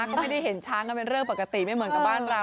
ก็ไม่ได้เห็นช้างกันเป็นเรื่องปกติไม่เหมือนกับบ้านเรา